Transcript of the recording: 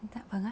dạ vâng ạ